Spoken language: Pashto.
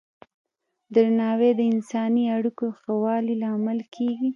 درناوی د انساني اړیکو ښه والي لامل کېږي.